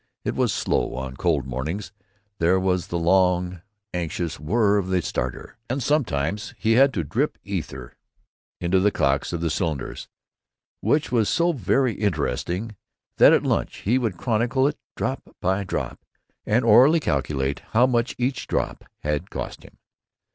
It was slow on cold mornings; there was the long, anxious whirr of the starter; and sometimes he had to drip ether into the cocks of the cylinders, which was so very interesting that at lunch he would chronicle it drop by drop, and orally calculate how much each drop had cost him.